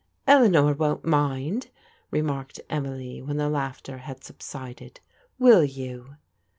" Eleanor won't mind," remarked Emily when the laugh had subsided. " Will you?